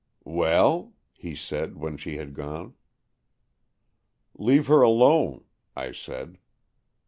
"Well.^'' he said, when she had gone. " Leave her alone," I said.